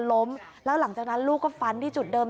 ล้มแล้วหลังจากนั้นลูกก็ฟันที่จุดเดิม